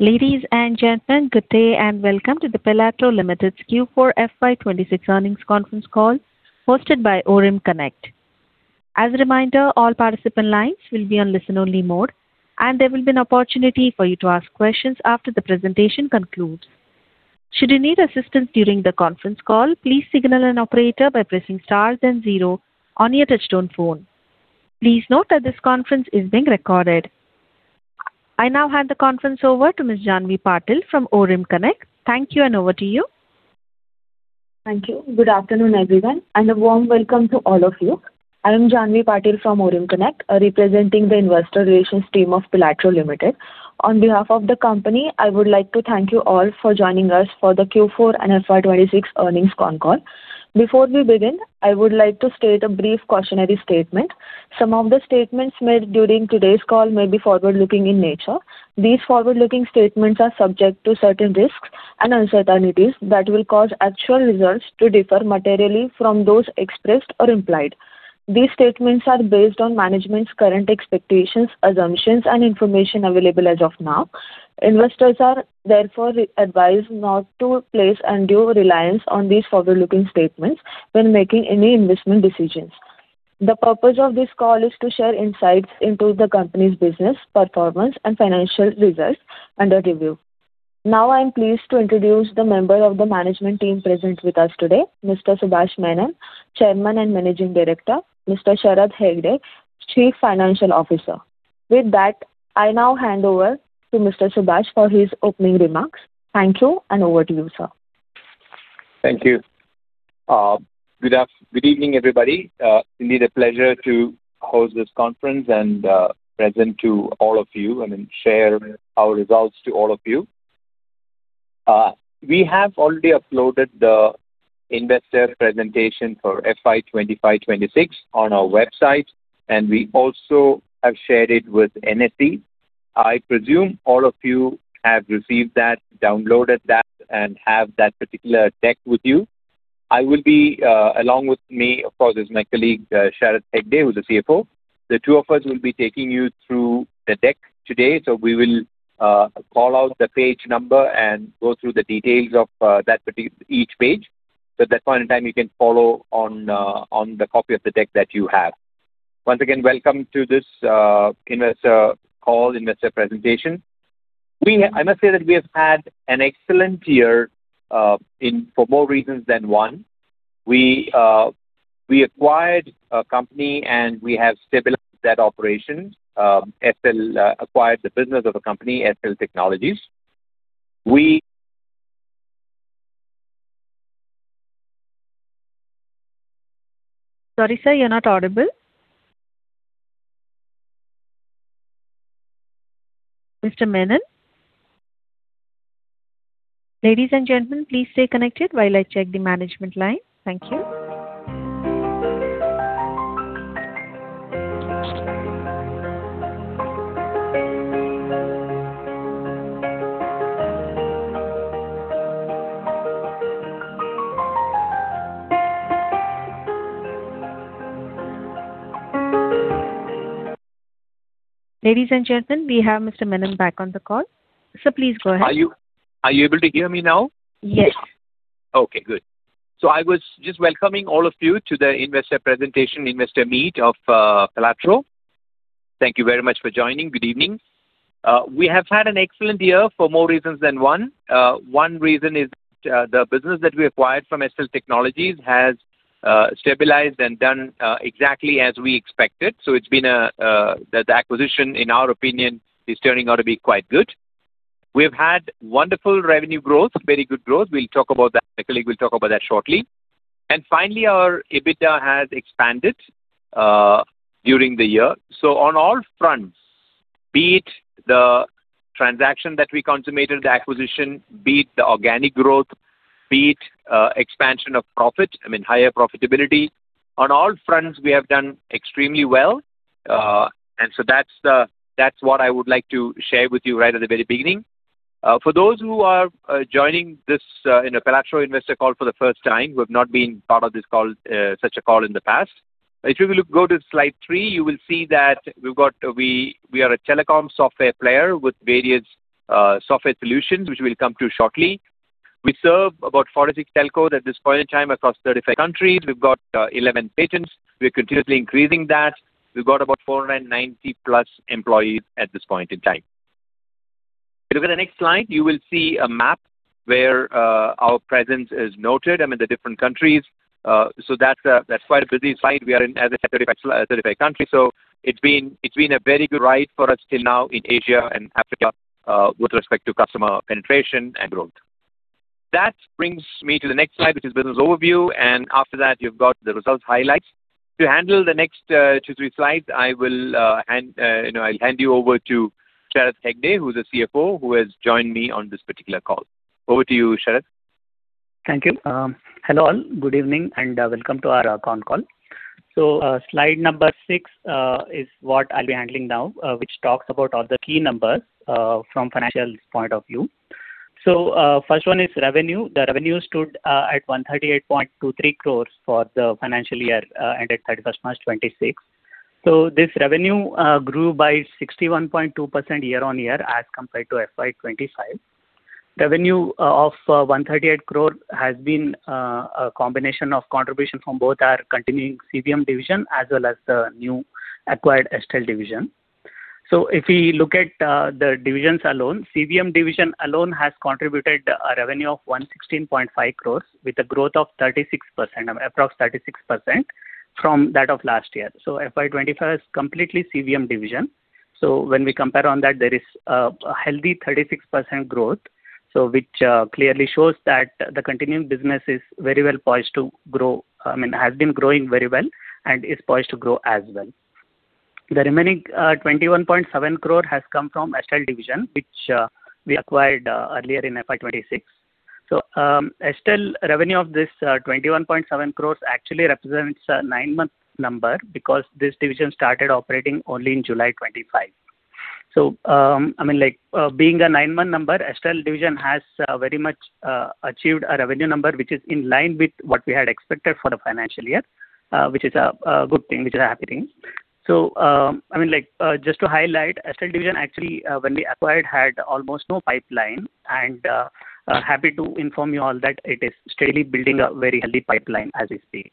Ladies and gentlemen, good day and welcome to the Pelatro Limited's Q4 FY 2026 earnings conference call hosted by Orim Connect. As a reminder, all participant lines will be on listen-only mode, and there will be an opportunity for you to ask questions after the presentation concludes. Should you need assistance during the conference call, please signal an operator by pressing Star then zero on your touchtone phone. Please note that this conference is being recorded. I now hand the conference over to Ms. Janhavi Patil from Orim Connect. Thank you, and over to you. Thank you. Good afternoon, everyone, and a warm welcome to all of you. I am Janhavi Patil from Orim Connect, representing the investor relations team of Pelatro Limited. On behalf of the company. I would like to thank you all for joining us for the Q4 and FY 2026 earnings con call. Before we begin, I would like to state a brief cautionary statement. Some of the statements made during today's call may be forward-looking in nature. These forward-looking statements are subject to certain risks and uncertainties that will cause actual results to differ materially from those expressed or implied. These statements are based on management's current expectations, assumptions, and information available as of now. Investors are therefore re-advised not to place undue reliance on these forward-looking statements when making any investment decisions. The purpose of this call is to share insights into the company's business performance and financial results under review. I'm pleased to introduce the member of the management team present with us today, Mr. Subash Menon, Chairman and Managing Director, Mr. Sharat Hegde, Chief Financial Officer. With that, I now hand over to Mr. Subash for his opening remarks. Thank you, and over to you, sir. Thank you. Good evening, everybody. Indeed a pleasure to host this conference and present to all of you and then share our results to all of you. We have already uploaded the investor presentation for FY 2025/2026 on our website, and we also have shared it with NSE. I presume all of you have received that, downloaded that, and have that particular deck with you. I will be. Along with me, of course, is my colleague, Sharat Hegde, who's the CFO. The two of us will be taking you through the deck today. We will call out the page number and go through the details of each page. At that point in time, you can follow on on the copy of the deck that you have. Once again, welcome to this investor call, investor presentation. I must say that we have had an excellent year in for more reasons than one. We acquired a company, and we have stabilized that operation. Estel acquired the business of a company, Estel Technologies. Sorry, sir. You're not audible. Mr. Menon? Ladies and gentlemen, please stay connected while I check the management line. Thank you. Ladies and gentlemen, we have Mr. Menon back on the call. Sir, please go ahead. Are you able to hear me now? Yes. Okay, good. I was just welcoming all of you to the investor presentation, investor meet of Pelatro. Thank you very much for joining. Good evening. We have had an excellent year for more reasons than one. One reason is the business that we acquired from Estel Technologies has stabilized and done exactly as we expected. The acquisition, in our opinion, is turning out to be quite good. We've had wonderful revenue growth, very good growth. We'll talk about that. My colleague will talk about that shortly. Finally, our EBITDA has expanded during the year. On all fronts, be it the transaction that we consummated the acquisition, be it the organic growth, be it expansion of profit. I mean, higher profitability on all fronts, we have done extremely well. That's what I would like to share with you right at the very beginning. For those who are joining this, you know, Pelatro investor call for the first time, who have not been part of this call, such a call in the past, if you will go to slide three, you will see that we've got We are a telecom software player with various software solutions, which we'll come to shortly. We serve about 46 telcos at this point in time across 35 countries. We've got 11 patents. We're continuously increasing that. We've got about 490-plus employees at this point in time. If you look at the next slide, you will see a map where our presence is noted, I mean, the different countries. That's quite a busy slide. We are in as I said 35 countries. It's been a very good ride for us till now in Asia and Africa, with respect to customer penetration and growth. That brings me to the next slide, which is business overview and after that, you've got the results highlights. To handle the next two or three slides, I'll hand you over to Sharat Hegde, who's the CFO, who has joined me on this particular call. Over to you, Sharat. Thank you. Hello all. Good evening, and welcome to our con call. Slide number six is what I'll be handling now, which talks about all the key numbers from financial point of view. First one is revenue. The revenue stood at 138.23 crores for the financial year ended March 31st, 2026. This revenue grew by 61.2% year-on-year as compared to FY 2025. Revenue of 138 crore has been a combination of contribution from both our continuing CVM Division as well as the new acquired Estel Division. If we look at the divisions alone. CVM Division alone has contributed a revenue of 116.5 crores with a growth of 36%, approx 36% from that of last year. FY 2025 is completely CVM Division. When we compare on that, there is a healthy 36% growth, which clearly shows that the continuing business is very well poised to grow. I mean, has been growing very well and is poised to grow as well. The remaining 21.7 crore has come from Estel Division, which we acquired earlier in FY 2026. Estel revenue of this 21.7 crore actually represents a nine month number because this division started operating only in July, 2025. I mean, like, being a nine month number. Estel Division has very much achieved a revenue number which is in line with what we had expected for the financial year, which is a good thing, which is a happy thing. I mean, like, just to highlight. Estel Division actually, when we acquired had almost no pipeline and happy to inform you all that it is steadily building a very healthy pipeline as we speak.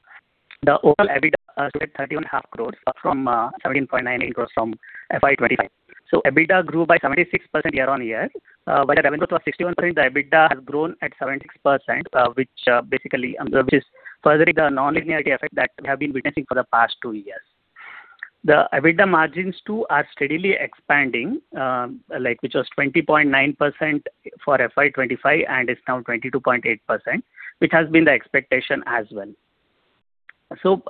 The overall EBITDA stood at 31.5 crores up from 17.98 crores from FY 2025. EBITDA grew by 76% year-on-year. While the revenue growth was 61%, the EBITDA has grown at 76%, which basically is furthering the non-linearity effect that we have been witnessing for the past two years. The EBITDA margins too are steadily expanding. Like, which was 20.9% for FY 2025 and is now 22.8%, which has been the expectation as well.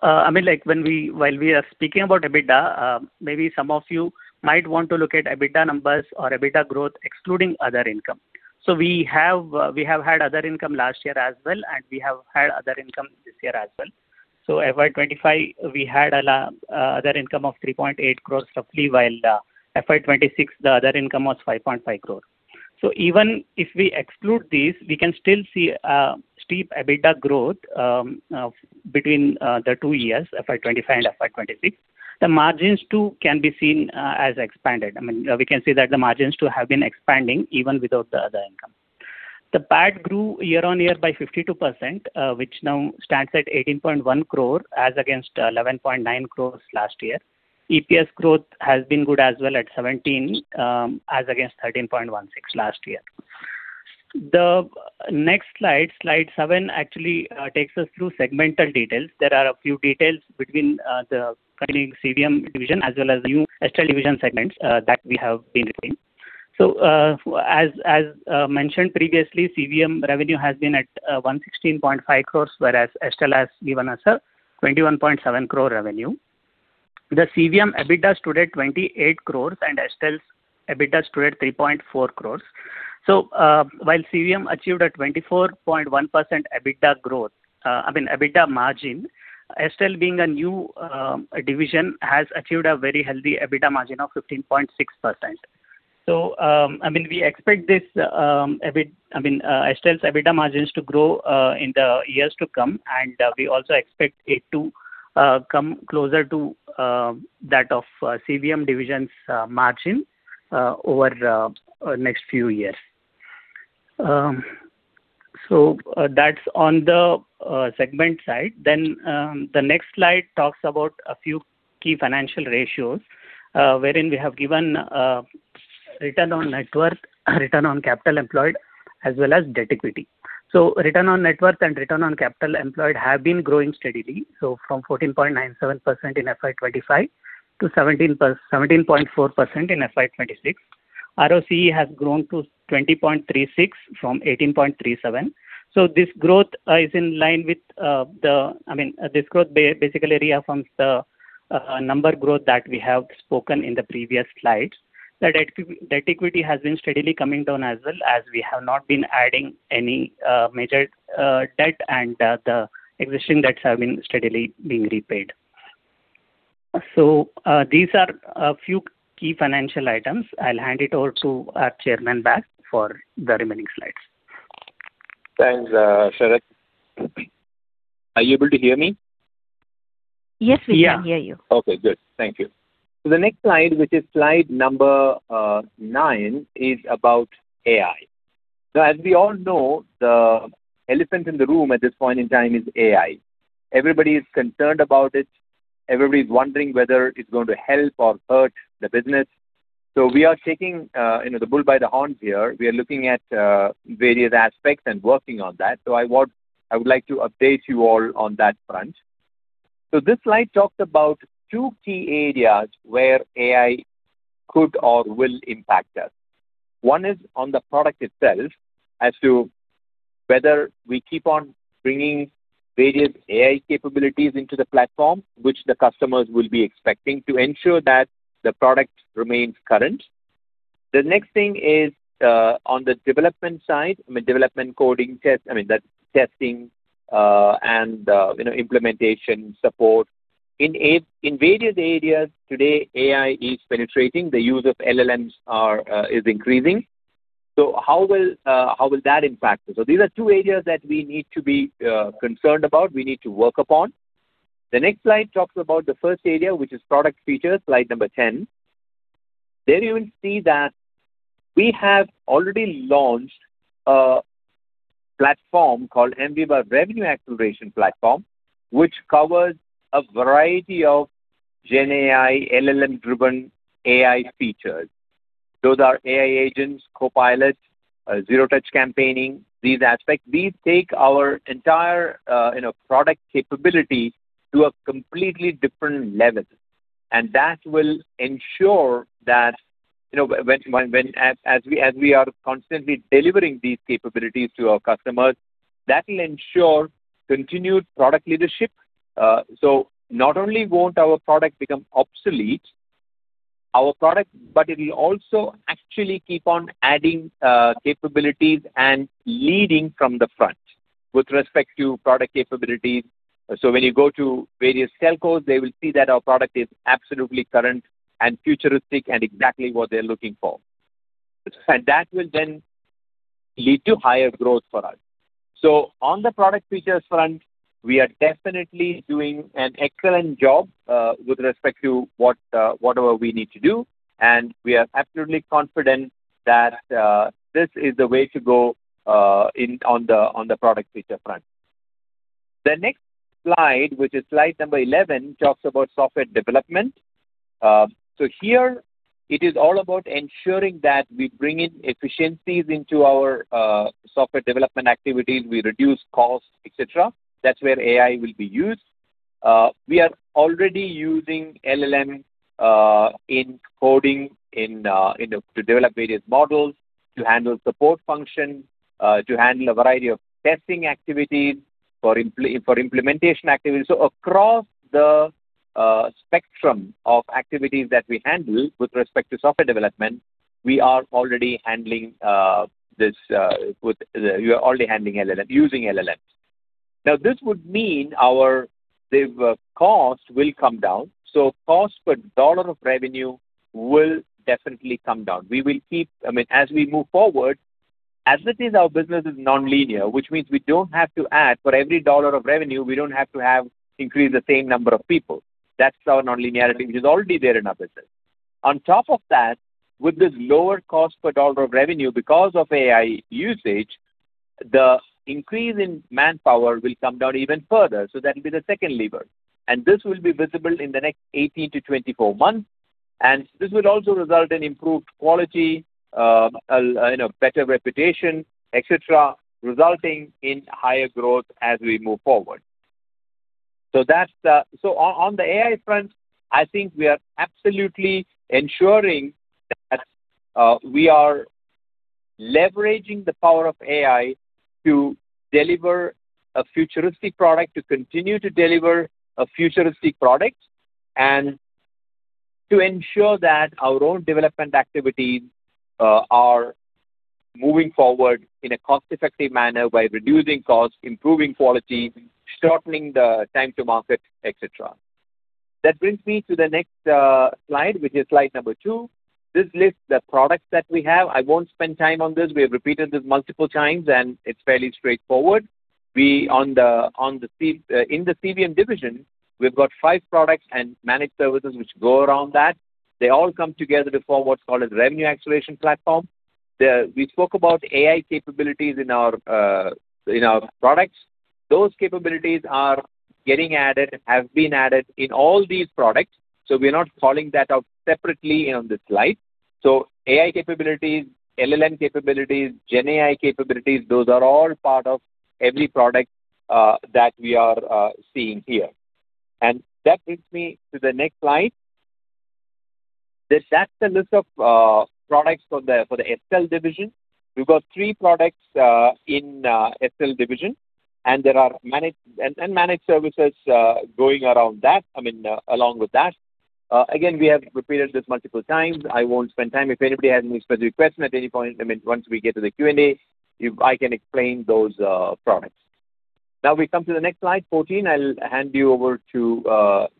I mean, while we are speaking about EBITDA, maybe some of you might want to look at EBITDA numbers or EBITDA growth excluding other income. We have had other income last year as well, and we have had other income this year as well. FY 2025, we had other income of 3.8 crore roughly, while FY 2026, the other income was 5.5 crore. Even if we exclude these, we can still see steep EBITDA growth between the two years, FY 2025 and FY 2026. The margins too can be seen as expanded. I mean, we can say that the margins too have been expanding even without the other income. The PAT grew year-on-year by 52%, which now stands at 18.1 crore as against 11.9 crores last year. EPS growth has been good as well at 17 as against 13.16 last year. The next slide seven, actually takes us through segmental details. There are a few details between the continuing CVM Division as well as new Estel Division segments that we have been retained. As mentioned previously, CVM revenue has been at 116.5 crores, whereas Estel has given us an 21.7 crore revenue. The CVM EBITDA stood at 28 crores and Estel's EBITDA stood at 3.4 crores. While CVM achieved a 24.1% EBITDA growth, I mean EBITDA margin, Estel being a new division, has achieved a very healthy EBITDA margin of 15.6%. I mean, we expect this EBITDA, I mean, Estel's EBITDA margins to grow in the years to come, and we also expect it to come closer to that of CVM division's margin over the next few years. That's on the segment side. The next slide talks about a few key financial ratios, wherein we have given return on net worth, return on capital employed, as well as debt-equity. Return on net worth and return on capital employed have been growing steadily, so from 14.97% in FY 2025 to 17.4% in FY 2026. ROCE has grown to 20.36 from 18.37. This growth is in line with the I mean this growth basically re-affirms the number growth that we have spoken in the previous slides. The debt equity has been steadily coming down as well as we have not been adding any major debt and the existing debts have been steadily being repaid. These are a few key financial items. I'll hand it over to our chairman back for the remaining slides. Thanks, Sharat. Are you able to hear me? Yes, we can hear you. Okay, good. Thank you. The next slide, which is slide number nine is about AI. As we all know, the elephant in the room at this point in time is AI. Everybody is concerned about it. Everybody's wondering whether it's going to help or hurt the business. We are taking, you know, the bull by the horns here. We are looking at various aspects and working on that. I would like to update you all on that front. This slide talks about two key areas where AI could or will impact us. One is on the product itself as to whether we keep on bringing various AI capabilities into the platform, which the customers will be expecting, to ensure that the product remains current. The next thing is on the development side. I mean, development, coding, testing, and, you know, implementation, support. In various areas today, AI is penetrating. The use of LLMs is increasing. How will that impact us? These are two areas that we need to be concerned about, we need to work upon. The next slide talks about the first area, which is product features slide number 10. There you will see that we have already launched a platform called mViva Revenue Acceleration Platform, which covers a variety of GenAI, LLM-driven AI features. Those are AI agents, copilots, zero-touch campaigning, these aspects. These take our entire, you know, product capability to a completely different level. That will ensure that, you know, when we are constantly delivering these capabilities to our customers, that will ensure continued product leadership. Not only won't our product become obsolete our product, but it'll also actually keep on adding capabilities and leading from the front with respect to product capabilities. When you go to various telcos, they will see that our product is absolutely current and futuristic and exactly what they're looking for. That will then lead to higher growth for us. On the product features front, we are definitely doing an excellent job with respect to what, whatever we need to do, and we are absolutely confident that this is the way to go in on the product feature front. The next slide, which is slide number 11, talks about software development. Here it is all about ensuring that we bring in efficiencies into our software development activities. We reduce costs, et cetera. That's where AI will be used. We are already using LLM in coding in to develop various models, to handle support functions, to handle a variety of testing activities for implementation activities. Across the spectrum of activities that we handle with respect to software development. We are already handling using LLMs. This would mean our cost will come down. Cost per dollar of revenue will definitely come down. I mean, as we move forward as it is, our business is nonlinear, which means we don't have to add. For every dollar of revenue, we don't have to increase the same number of people. That's our nonlinearity, which is already there in our business. On top of that, with this lower cost per dollar of revenue because of AI usage, the increase in manpower will come down even further. That'll be the second lever and this will be visible in the next 18 to 24 months. This will also result in improved quality, you know, better reputation et cetera, resulting in higher growth as we move forward. On the AI front, I think we are absolutely ensuring that we are leveraging the power of AI to deliver a futuristic product, to continue to deliver a futuristic product and to ensure that our own development activities are moving forward in a cost-effective manner by reducing costs, improving quality, shortening the time to market, et cetera. That brings me to the next slide, which is slide number two. This lists the products that we have. I won't spend time on this. We have repeated this multiple times, and it's fairly straightforward. In the CVM division, we've got five products and managed services which go around that. They all come together to form what's called a Revenue Acceleration Platform. We spoke about AI capabilities in our in our products. Those capabilities are getting added, have been added in all these products, so we're not calling that out separately on this slide. AI capabilities, LLM capabilities, GenAI capabilities, those are all part of every product that we are seeing here. That brings me to the next slide. That's the list of products for the SL division. We've got three products in SL division, and there are managed services going around that. I mean, along with that. Again, we have repeated this multiple times. I won't spend time. If anybody has any specific questions at any point. I mean, once we get to the Q&A, I can explain those products. Now we come to the next slide, 14. I'll hand you over to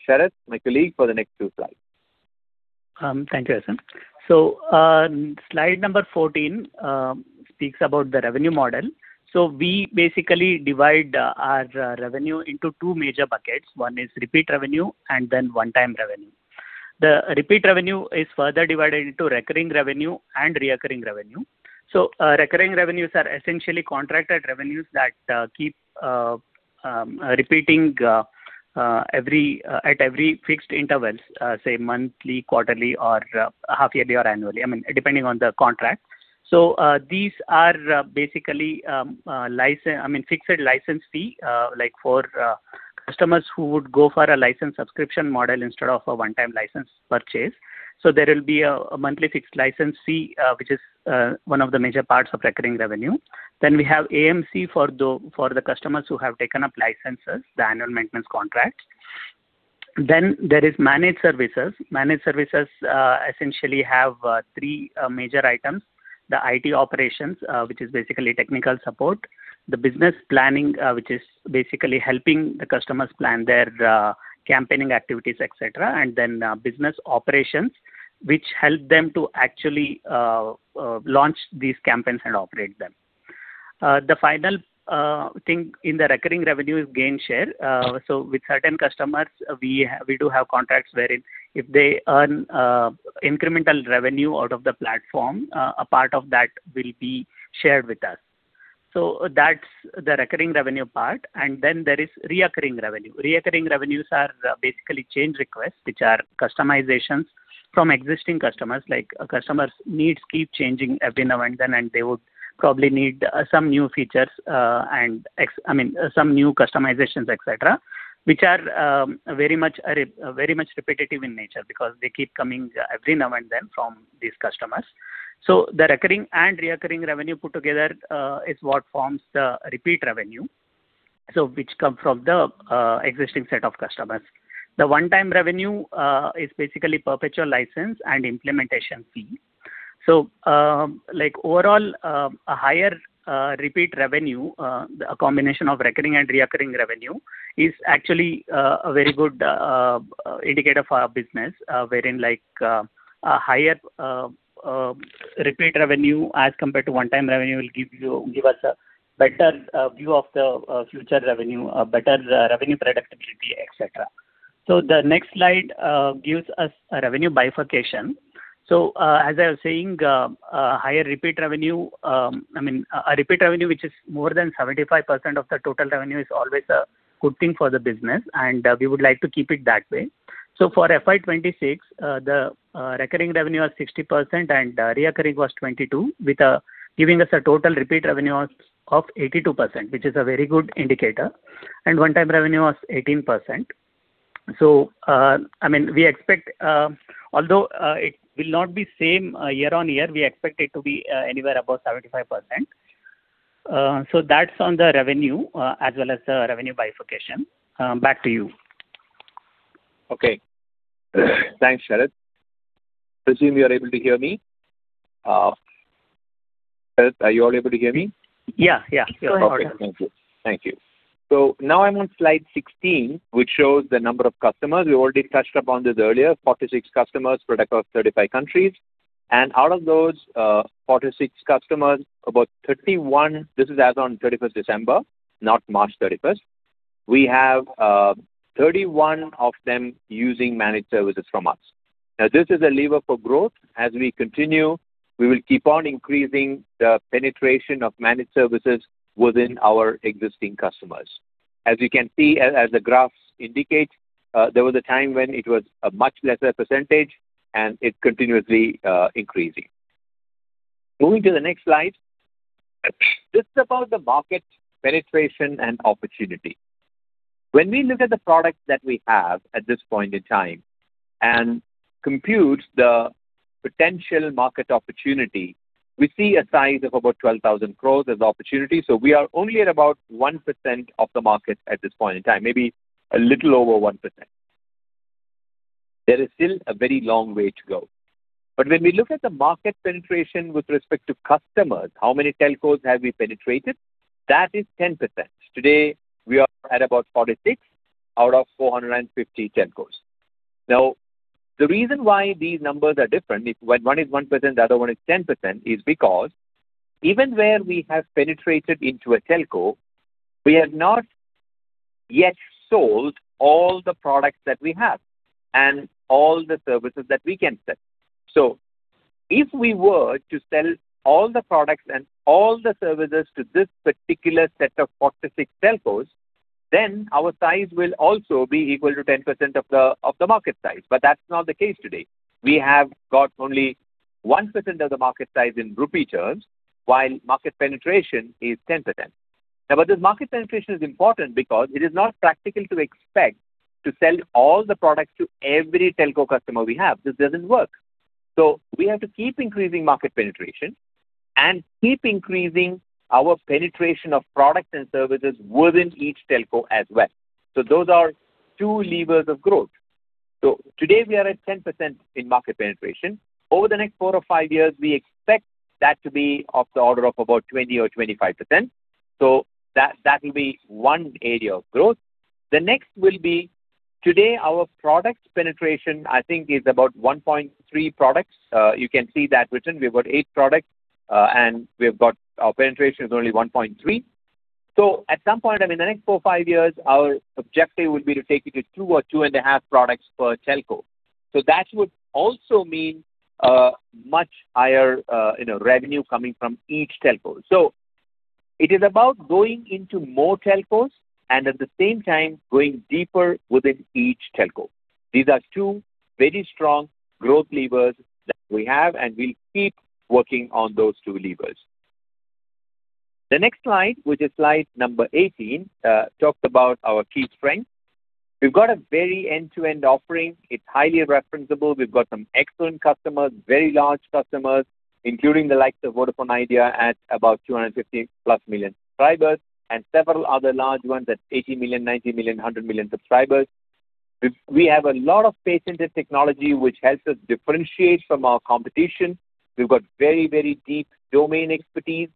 Sharat, my colleague for the next two slides. Thank you, Subash. Slide number 14 speaks about the revenue model. We basically divide our revenue into two major buckets. One is repeat revenue and then one time revenue. The repeat revenue is further divided into recurring revenue and reoccurring revenue. Recurring revenues are essentially contracted revenues that keep repeating at every fixed intervals, say monthly, quarterly or half-yearly or annually, I mean, depending on the contract. These are basically fixed license fee for customers who would go for a license subscription model instead of a one time license purchase. There will be a monthly fixed license fee, which is on of the major parts of recurring revenue. We have AMC for the customers who have taken up licenses, the annual maintenance contract. There is managed services. Managed services essentially have three major items. The IT operations, which is basically technical support. The business planning, which is basically helping the customers plan their campaigning activities, et cetera. Business operations, which help them to actually launch these campaigns and operate them. The final thing in the recurring revenue is gain share. With certain customers we do have contracts wherein if they earn incremental revenue out of the platform a part of that will be shared with us. That's the recurring revenue part. There is reoccurring revenue. Reoccurring revenues are basically change requests, which are customizations from existing customers. Customers' needs keep changing every now and then, and they would probably need some new features. I mean, some new customizations, et cetera, which are very much repetitive in nature because they keep coming every now and then from these customers. The recurring and reoccurring revenue put together is what forms the repeat revenue, which come from the existing set of customers. The one-time revenue is basically perpetual license and implementation fee. Like, overall a higher repeat revenue, a combination of recurring and reoccurring revenue is actually a very good indicator for our business. Wherein, like, a higher repeat revenue as compared to one-time revenue will give us a better view of the future revenue a better revenue predictability et cetera. The next slide gives us a revenue bifurcation. As I was saying, a higher repeat revenue. I mean, a repeat revenue which is more than 75% of the total revenue is always a good thing for the business, and we would like to keep it that way. For FY 2026, the recurring revenue was 60% and the reoccurring was 22%, giving us a total repeat revenue of 82%, which is a very good indicator. One-time revenue was 18%. I mean, we expect, although it will not be same year-on-year, we expect it to be anywhere above 75%. That's on the revenue as well as the revenue bifurcation. Back to you. Okay. Thanks, Sharat. I presume you're able to hear me. Sharat, are you all able to hear me? Yeah. Yeah. Go ahead, Subash Menon. Okay. Thank you. Thank you. Now I'm on slide 16, which shows the number of customers. We already touched upon this earlier. 46 customers spread across 35 countries. Out of those, 46 customers, about 31. This is as on December 31st, not March 31st. We have 31 of them using managed service from us. This is a lever for growth. As we continue, we will keep on increasing the penetration of managed services within our existing customers. As you can see, as the graphs indicate, there was a time when it was a much lesser percentage, and it continuously increasing. Moving to the next slide. This is about the market penetration and opportunity. When we look at the products that we have at this point in time and compute the potential market opportunity, we see a size of about 12,000 crores as opportunity. We are only at about 1% of the market at this point in time, maybe a little over 1%. There is still a very long way to go. When we look at the market penetration with respect to customers, how many telcos have we penetrated, that is 10%. Today, we are at about 46 out of 450 telcos. The reason why these numbers are different. If, when one is 1%, the other one is 10%, is because even where we have penetrated into a telco, we have not yet sold all the products that we have and all the services that we can sell. If we were to sell all the products and all the services to this particular set of 46 telcos, then our size will also be equal to 10% of the market size. That's not the case today. We have got only 1% of the market size in INR terms, while market penetration is 10%. This market penetration is important because it is not practical to expect to sell all the products to every telco customer we have. This doesn't work. We have to keep increasing market penetration and keep increasing our penetration of products and services within each telco as well. Those are two levers of growth. Today we are at 10% in market penetration. Over the next four-five years, we expect that to be of the order of about 20% or 25%. That will be one area of growth. The next will be, today our product penetration. I think is about 1.3 products. You can see that written. We've got eight products, and we've got Our penetration is only 1.3. At some point, I mean, the next four-five years, our objective would be to take it to two or 2.5 products per telco. That would also mean much higher, you know, revenue coming from each telco. It is about going into more telcos and at the same time going deeper within each telco. These are two very strong growth levers that we have, and we'll keep working on those twol levers. The next slide, which is slide number 18, talks about our key strengths. We've got a very end-to-end offering. It's highly referenceable. We've got some excellent customers, very large customers, including the likes of Vodafone Idea at about +250 million subscribers, and several other large ones at 80 million, 90 million, 100 million subscribers. We have a lot of patented technology which helps us differentiate from our competition. We've got very, very deep domain expertise.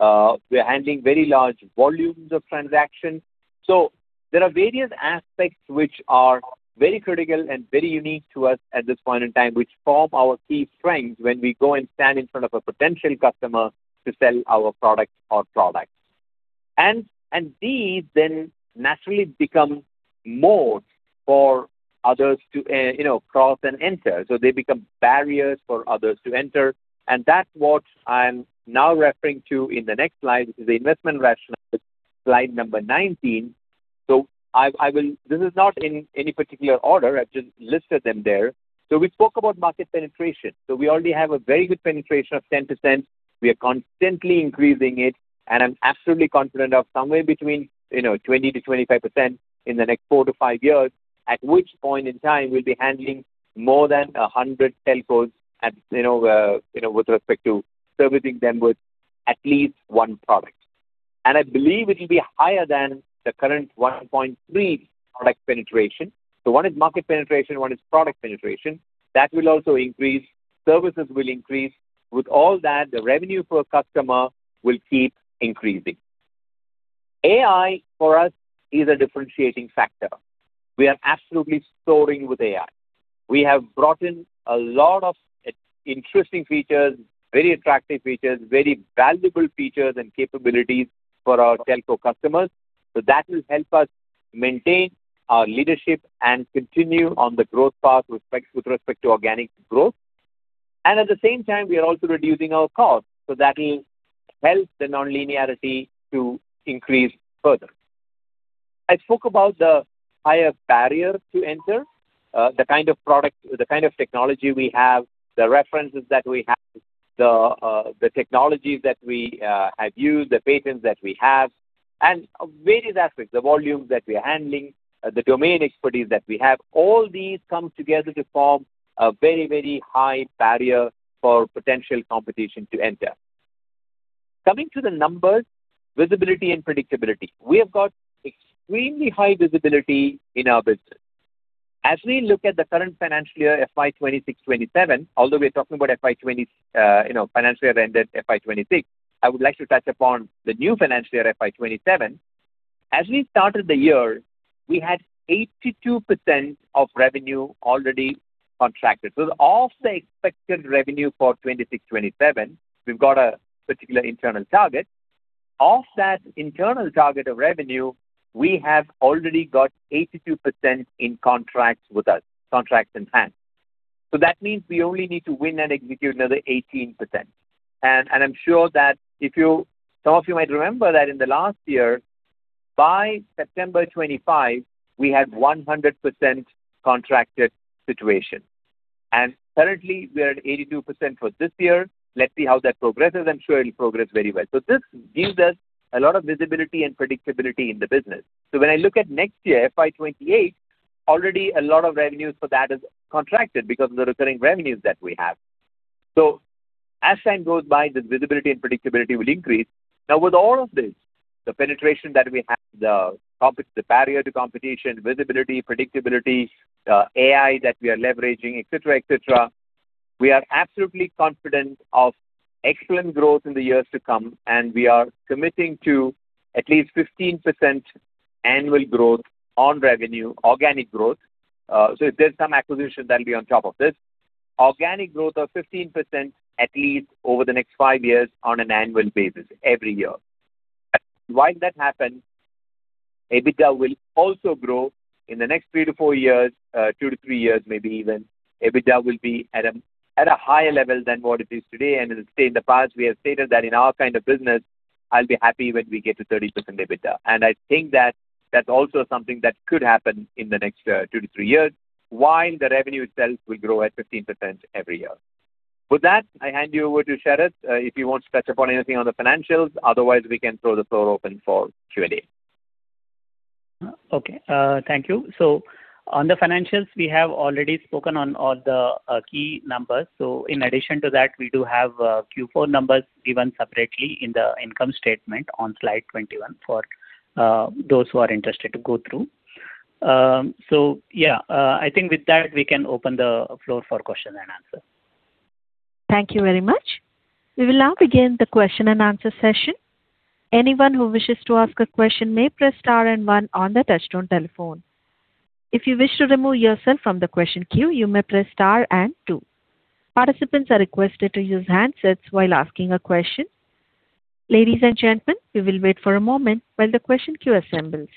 We're handling very large volumes of transactions. There are various aspects which are very critical and very unique to us at this point in time, which form our key strengths when we go and stand in front of a potential customer to sell our product or products. These then naturally become moats for others to, you know, cross and enter. They become barriers for others to enter. That's what I'm now referring to in the next slide, which is the investment rationale, slide number 19. This is not in any particular order. I've just listed them there. We spoke about market penetration. We already have a very good penetration of 10%. We are constantly increasing it, and I'm absolutely confident of somewhere between, you know, 20%-25% in the next four-five years, at which point in time we'll be handling more than 100 telcos at, you know, with respect to servicing them with at least one product. I believe it'll be higher than the current 1.3 product penetration. One is market penetration, one is product penetration. That will also increase. Services will increase. With all that, the revenue per customer will keep increasing. AI, for us is a differentiating factor. We are absolutely soaring with AI. We have brought in a lot of interesting features, very attractive features, very valuable features and capabilities for our telco customers. That will help us maintain our leadership and continue on the growth path with respect to organic growth. At the same time, we are also reducing our costs, so that'll help the nonlinearity to increase further. I spoke about the higher barrier to enter, the kind of product, the kind of technology we have, the references that we have, the technologies that we have used, the patents that we have, and various aspects, the volumes that we are handling, the domain expertise that we have. All these come together to form a very high barrier for potential competition to enter. Coming to the numbers, visibility and predictability. We have got extremely high visibility in our business. As we look at the current financial year, FY 2026, 2027, although we are talking about FY, you know, financial year ended FY 2026, I would like to touch upon the new financial year, FY 2027. As we started the year, we had 82% of revenue already contracted. Of the expected revenue for 2026, 2027, we've got a particular internal target. Of that internal target of revenue, we have already got 82% in contracts with us, contracts in hand. That means we only need to win and execute another 18%. I'm sure that if some of you might remember that in the last year, by September 2025, we had 100% contracted situation. Currently, we are at 82% for this year. Let's see how that progresses. I'm sure it'll progress very well. This gives us a lot of visibility and predictability in the business. When I look at next year, FY 2028, already a lot of revenues for that is contracted because of the recurring revenues that we have. As time goes by, the visibility and predictability will increase. With all of this, the penetration that we have the barrier to competition, visibility, predictability, AI that we are leveraging, et cetera, et cetera. We are absolutely confident of excellent growth in the years to come, and we are committing to at least 15% annual growth on revenue, organic growth. If there's some acquisition, that'll be on top of this. Organic growth of 15% at least over the next five years on an annual basis every year. While that happens, EBITDA will also grow in the next three-four years maybe even. EBITDA will be at a higher level than what it is today. As stated in the past, we have stated that in our kind of business, I'll be happy when we get to 30% EBITDA. I think that that's also something that could happen in the next two-three years, while the revenue itself will grow at 15% every year. With that, I hand you over to Sharat, if he wants to touch upon anything on the financials. Otherwise, we can throw the floor open for Q&A. Okay. Thank you. On the financials, we have already spoken on all the key numbers. In addition to that, we do have Q4 numbers given separately in the income statement on slide 21 for those who are interested to go through. Yeah. I think with that, we can open the floor for question and answer. Thank you very much. We will now begin the question-and-answer session. Anyone who wishes to ask a question may press star and one on their touchtone telephone. If you wish to remove yourself from the question queue, you may press star and two. Participants are requested to use handsets while asking a question. Ladies and gentlemen, we will wait for a moment while the question queue assembles.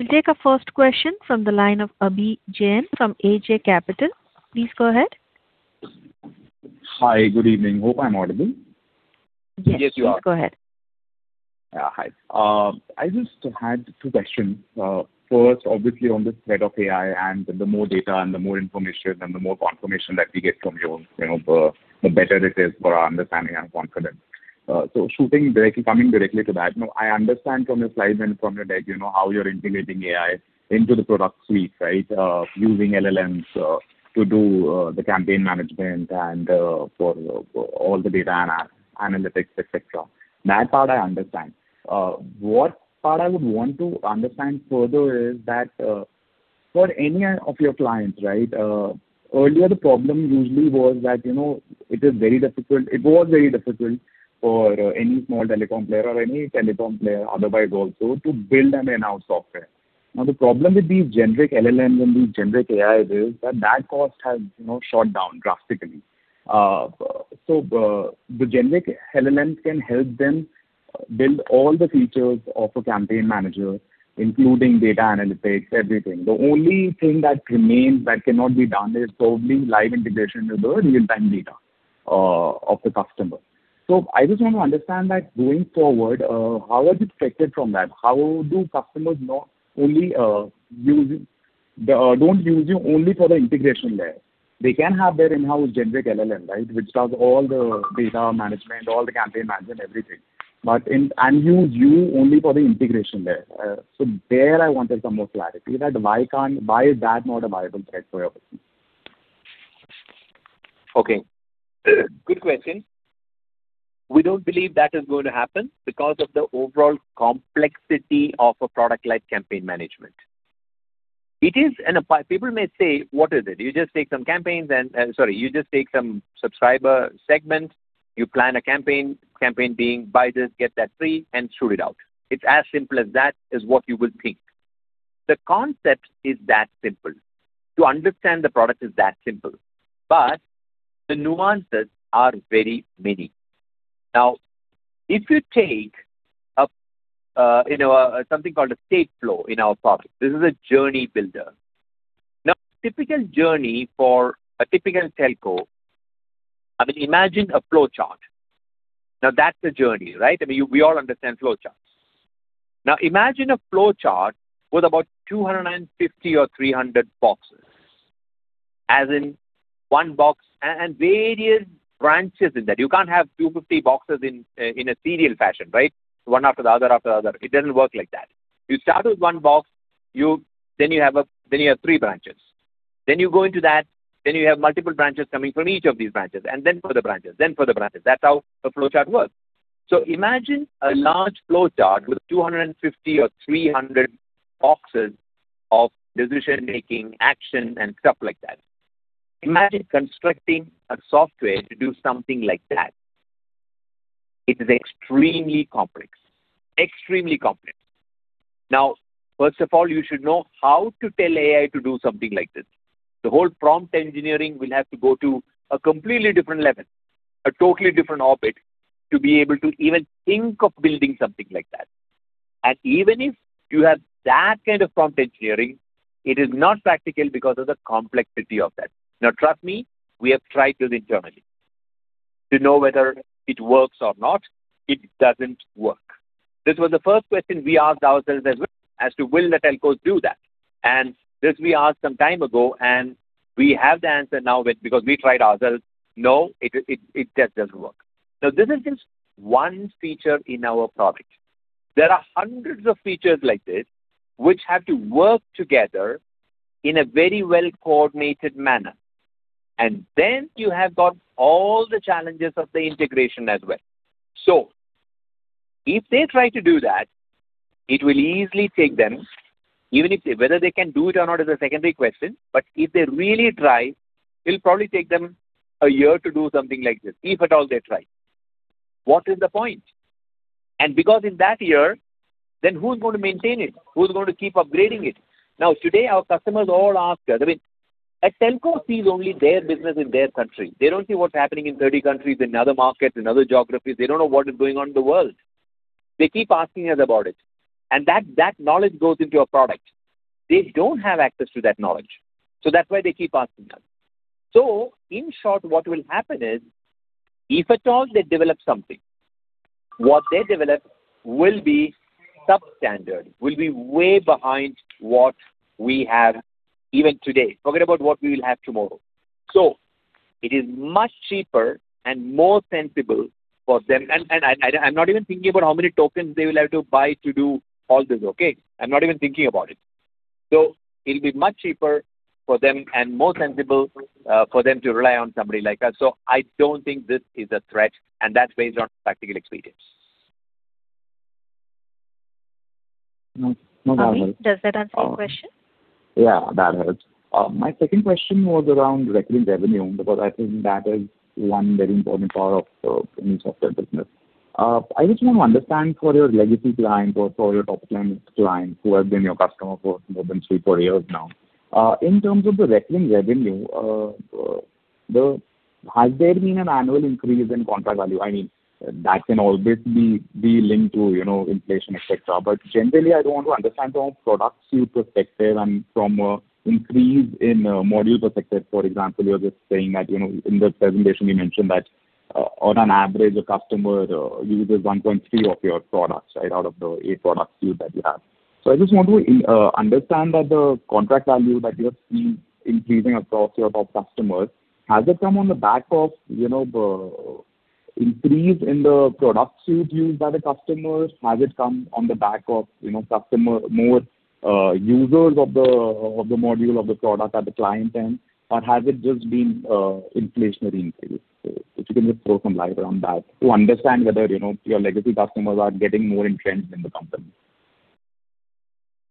We'll take our first question from the line of Abhi Jain from AJ Capital. Please go ahead. Hi. Good evening. Hope I'm audible. Yes. Yes, you are. Please go ahead. Hi. I just had two questions. First, obviously on this thread of AI and the more data and the more information and the more confirmation that we get from you know, the better it is for our understanding and confidence. Shooting directly coming directly to that, you know, I understand from your slides and from your deck, you know, how you're integrating AI into the product suite, right? Using LLMs to do the campaign management and for all the data analytics, et cetera. That part I understand. What part I would want to understand further is that, for any of your clients, right? Earlier the problem usually was that, you know, it was very difficult for any small telecom player or any telecom player otherwise also to build an in-house software. The problem with these generic LLMs and these generic AIs is that that cost has, you know, shot down drastically. The generic LLMs can help them build all the features of a campaign manager including data analytics, everything. The only thing that remains that cannot be done is probably live integration with the real-time data of the customer. I just want to understand that going forward, how are you affected from that? How do customers not only don't use you only for the integration layer. They can have their in-house generic LLM, right? Which does all the data management all the campaign management, everything. And use you only for the integration layer. There I wanted some more clarity that why is that not a viable threat for your business? Okay. Good question. We don't believe that is going to happen because of the overall complexity of a product like campaign management. People may say, "What is it? You just take some subscriber segments, you plan a campaign being buy this, get that free, and shoot it out. It's as simple as that," is what you will think. The concept is that simple. To understand the product is that simple. The nuances are very many. If you take a, you know, something called a state flow in our product. This is a journey builder. Typical journey for a typical telco. I mean, imagine a flowchart. That's a journey, right? I mean, we all understand flowcharts. Imagine a flowchart with about 250 or 300 boxes, as in one box and various branches in that. You can't have 250 boxes in a serial fashion, right? One after the other, after the other. It doesn't work like that. You start with one box. You have three branches. You go into that. You have multiple branches coming from each of these branches. Further branches, further branches. That's how a flowchart works. Imagine a large flowchart with 250 or 300 boxes of decision-making, action and stuff like that. Imagine constructing a software to do something like that. It is extremely complex. Extremely complex. First of all, you should know how to tell AI to do something like this. The whole prompt engineering will have to go to a completely different level, a totally different orbit, to be able to even think of building something like that. Even if you have that kind of prompt engineering, it is not practical because of the complexity of that. Trust me, we have tried this internally to know whether it works or not. It doesn't work. This was the first question we asked ourselves as well as to will the telcos do that? This we asked some time ago, and we have the answer now because we tried ourselves. No, it just doesn't work. This is just one feature in our product. There are hundreds of features like this which have to work together in a very well-coordinated manner. Then you have got all the challenges of the integration as well. If they try to do that, it will easily take them even whether they can do it or not is a secondary question. If they really try, it'll probably take them a year to do something like this. If at all they try what is the point? Because in that year, then who's going to maintain it? Who's going to keep upgrading it? Today, our customers all ask us. I mean, a telco sees only their business in their country. They don't see what's happening in 30 countries, in other markets, in other geographies. They don't know what is going on in the world. They keep asking us about it. That knowledge goes into a product. They don't have access to that knowledge. That's why they keep asking us. In short, what will happen is, if at all they develop something, what they develop will be substandard, will be way behind what we have even today. Forget about what we will have tomorrow. It is much cheaper and more sensible for them. I'm not even thinking about how many tokens they will have to buy to do all this, okay? I'm not even thinking about it. It'll be much cheaper for them and more sensible for them to rely on somebody like us. I don't think this is a threat, and that's based on practical experience. No, that helps. Abhi, does that answer your question? Yeah, that helps. My second question was around recurring revenue, because I think that is on very important part of any software business. I just want to understand for your legacy clients or for your top line clients who have been your customer for more than three-four years now, in terms of the recurring revenue, has there been an annual increase in contract value? I mean, that can always be linked to, you know, inflation, et cetera. But generally, I want to understand from a product suite perspective and from a increase in module perspective. For example, you were just saying that, you know, in the presentation you mentioned that, on an average, a customer uses 1.3 of your products, right? Out of the eight product suite that you have. I just want to understand that the contract value that you have seen increasing across your top customers, has it come on the back of, you know, the increase in the product suite used by the customers? Has it come on the back of, you know, more users of the module of the product at the client end? Has it just been inflationary increase? If you can just throw some light around that to understand whether, you know, your legacy customers are getting more entrenched in the company.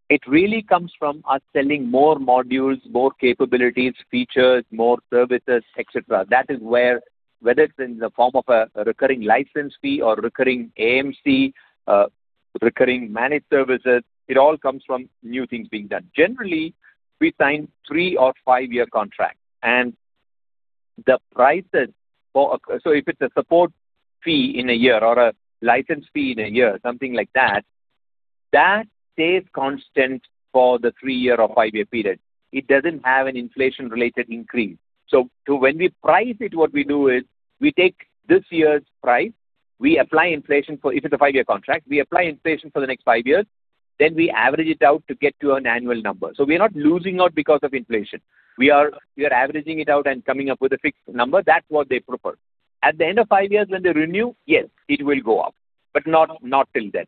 It really comes from us selling more modules, more capabilities, features, more services, et cetera. That is where whether it's in the form of a recurring license fee or recurring AMC recurring managed services, it all comes from new things being done. Generally, we sign three or five year contract. The prices for a if it's a support fee in a year or a license fee in a year, something like that stays constant for the three-year or five-year period. It doesn't have an inflation-related increase. When we price it, what we do is we take this year's price, we apply inflation for if it's a five-year contract, we apply inflation for the next five years, then we average it out to get to an annual number. We are not losing out because of inflation. We are averaging it out and coming up with a fixed number. That's what they prefer. At the end of five years when they renew, yes, it will go up, but not till then.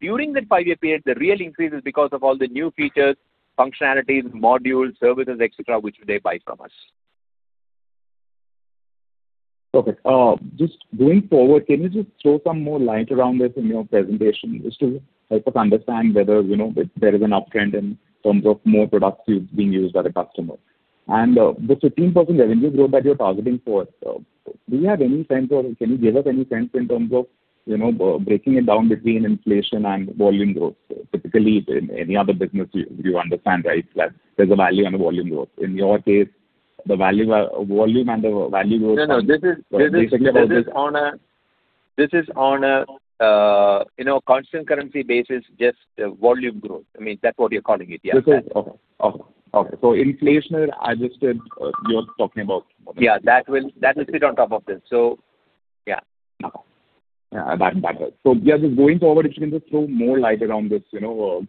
During that five-year period, the real increase is because of all the new features, functionalities, modules, services, et cetera, which they buy from us. Okay. Just going forward, can you just throw some more light around this in your presentation just to help us understand whether, you know, there is an uptrend in terms of more products being used by the customer. The 15% revenue growth that you're targeting for, do you have any sense or can you give us any sense in terms of, you know, breaking it down between inflation and volume growth? Typically, in any other business you understand, right, that there's a value and a volume growth. In your case, the value, volume and the value growth basically what is- No, this is on a, you know, constant currency basis, just volume growth. I mean, that's what you're calling it? Yeah. This is Okay. inflation-adjusted, you're talking about. Yeah. That will sit on top of this. Yeah. Okay. Yeah, that helps. Yeah, just going forward, if you can just throw more light around this, you know.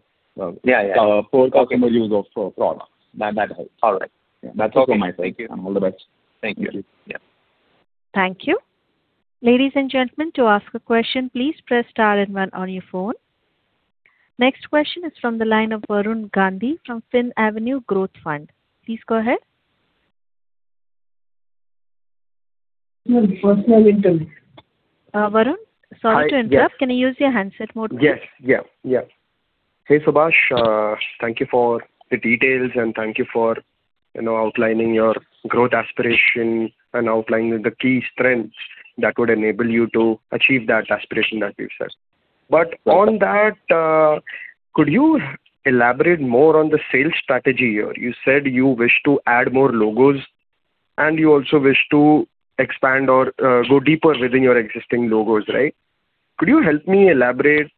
Yeah, yeah. per customer use of products. That helps. All right. Yeah. That's all from my side. Okay. Thank you. All the best. Thank you. Yeah. Thank you. Ladies and gentlemen, to ask a question please press star and one on your phone. Next question is from the line of Varun Gandhi from Finavenue Growth Fund. Please go ahead. Personal interview. Varun. Hi. Yes. Sorry to interrupt. Can you use your handset mode, please? Yes. Yeah. Hey, Subash, thank you for the details, and thank you for, you know, outlining your growth aspiration and outlining the key strengths that would enable you to achieve that aspiration that you've set. On that, could you elaborate more on the sales strategy here? You said you wish to add more logos, and you also wish to expand or go deeper within your existing logos, right? Could you help me elaborate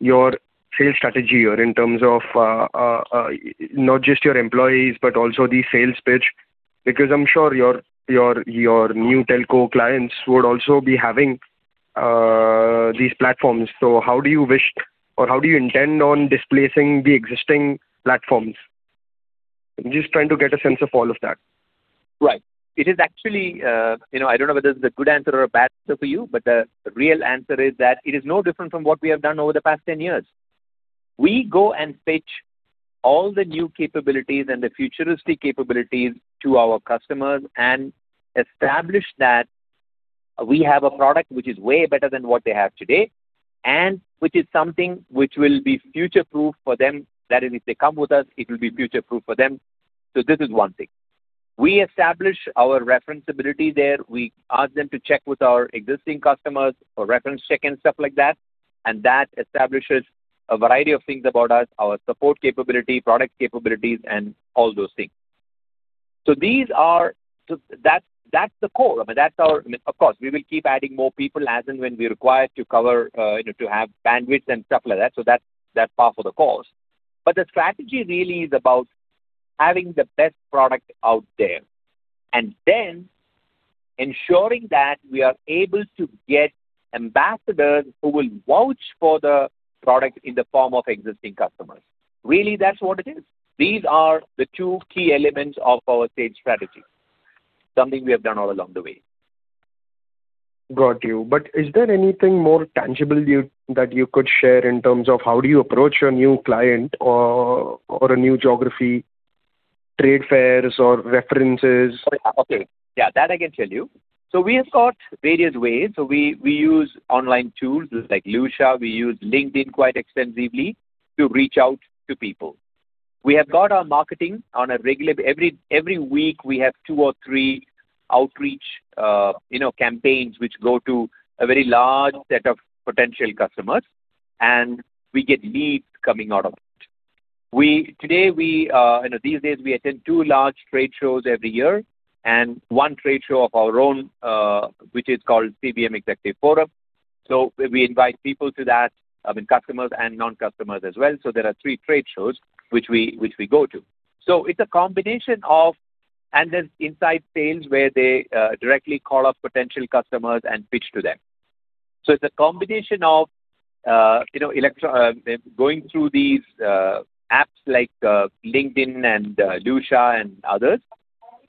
your sales strategy here in terms of not just your employees but also the sales pitch? I'm sure your new telco clients would also be having these platforms. How do you wish or how do you intend on displacing the existing platforms? I'm just trying to get a sense of all of that. Right. It is actually, you know, I don't know whether this is a good answer or a bad answer for you, but the real answer is that it is no different from what we have done over the past 10 years. We go and pitch all the new capabilities and the futuristic capabilities to our customers and establish that we have a product which is way better than what they have today, and which is something which will be future-proof for them. That is, if they come with us, it will be future-proof for them. This is one thing. We establish our referenceability there. We ask them to check with our existing customers for reference check and stuff like that, and that establishes a variety of things about us, our support capability, product capabilities, and all those things. That's the core. I mean, that's our I mean, of course, we will keep adding more people as and when we require to cover, you know, to have bandwidth and stuff like that. That, that's par for the course. The strategy really is about having the best product out there, and then ensuring that we are able to get ambassadors who will vouch for the product in the form of existing customers. Really, that's what it is. These are the two key elements of our sales strategy, something we have done all along the way. Got you. Is there anything more tangible that you could share in terms of how do you approach a new client or a new geography, trade fairs or references? Okay. Yeah, that I can tell you. We have got various ways. We use online tools like Lusha. We use LinkedIn quite extensively to reach out to people. We have got our marketing on a regular Every week we have two or three outreach, you know, campaigns which go to a very large set of potential customers, and we get leads coming out of it. Today we, you know, these days we attend two large trade shows every year and on trade show of our own, which is called CVM Executive Forum. We invite people to that, I mean, customers and non-customers as well. There are three trade shows which we go to. It's a combination of. There's inside sales where they directly call up potential customers and pitch to them. It's a combination of, you know, Pelatro going through these apps like LinkedIn and Lusha and others.